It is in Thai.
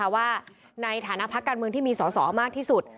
ว่าในฐานะพักการเมืองที่มีสอสอมากที่สุด